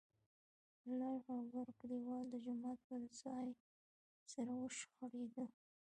لر او بر کليوال د جومات پر ځای سره وشخړېدل.